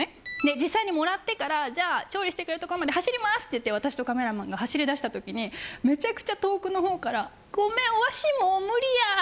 実際にもらってからじゃあ調理してくれるところまで走りますって言って私とカメラマンが走り出した時にむちゃくちゃ遠くのほうから。